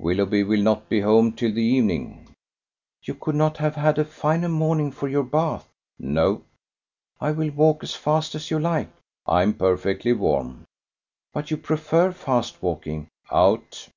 "Willoughby will not be home till the evening." "You could not have had a finer morning for your bath." "No." "I will walk as fast as you like." "I'm perfectly warm." "But you prefer fast walking." "Out."